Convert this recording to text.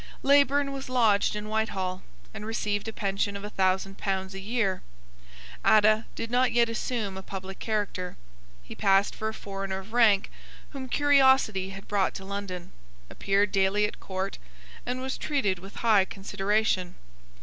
Leyburn was lodged in Whitehall, and received a pension of a thousand pounds a year. Adda did not yet assume a public character. He passed for a foreigner of rank whom curiosity had brought to London, appeared daily at court, and was treated with high consideration.